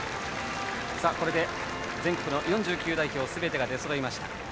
これで全国の４９代表すべてが出そろいました。